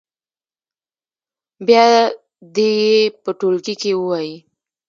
بیا دې یې په ټولګي کې ووايي.